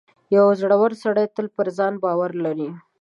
• یو زړور سړی تل پر ځان باور لري.